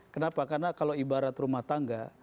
kenapa karena kalau ibarat rumah tangga